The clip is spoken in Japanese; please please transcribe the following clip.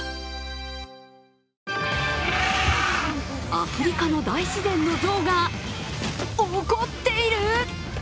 アフリカの大自然の象が怒っている！？